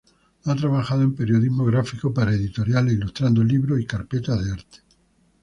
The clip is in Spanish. Ha trabajado en periodismo gráfico y para editoriales ilustrando libros y carpetas de arte.